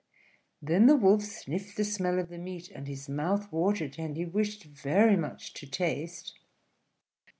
Then the Wolf sniffed the smell of the meat, and his mouth watered, and he wished very much to taste.